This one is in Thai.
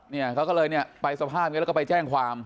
เนี่ยเขาก็เลยเนี่ยไปสภาพอย่างนี้แล้วก็ไปแจ้งความ